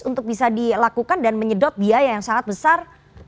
untuk bisa dilakukan dan menyedot biaya yang sangat besar